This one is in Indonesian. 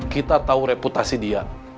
kita tau reputasi dia